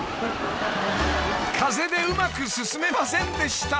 ［風でうまく進めませんでした］